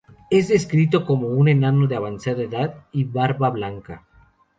Es descrito como un enano de avanzada edad y de barba blanca.